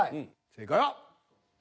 正解は。